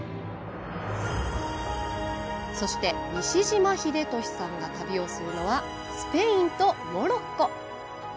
そして、西島秀俊さんが旅をするのはスペインとモロッコ。